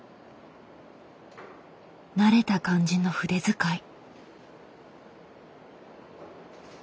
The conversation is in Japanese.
慣れた感じの筆遣い。